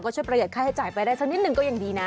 ก็ช่วยประหัดค่าใช้จ่ายไปได้สักนิดนึงก็ยังดีนะ